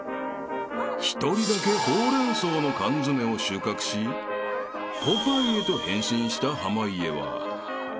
［１人だけホウレンソウの缶詰を収穫しポパイへと変身した濱家は］